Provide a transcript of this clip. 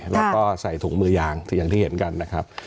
แล้วก็ใส่ถุงมือยางอย่างที่เห็นกันนะครับ